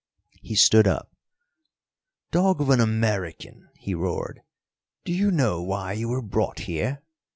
He stood up. "Dog of an American," he roared, "do you know why you were brought here?